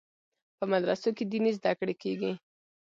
په مدرسو کې دیني زده کړې کیږي.